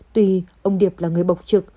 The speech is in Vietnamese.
tuy ông điệp là người bộc trực